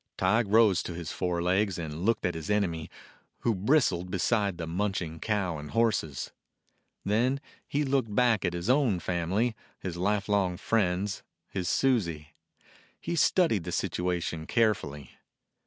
Tige rose to his four legs and looked at his enemy, who bristled beside the munching cow and horses. Then he looked back at his own family, his life long friends, his Susie. He studied the situation carefully.